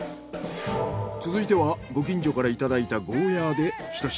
続いてはご近所からいただいたゴーヤーでひと品。